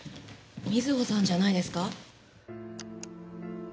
美津保さんじゃないですか？